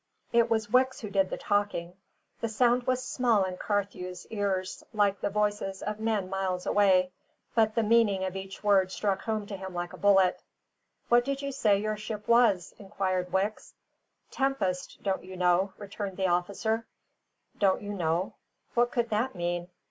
It was Wicks who did the talking. The sound was small in Carthew's ears, like the voices of men miles away, but the meaning of each word struck home to him like a bullet. "What did you say your ship was?" inquired Wicks. "Tempest, don't you know?" returned the officer. Don't you know? What could that mean?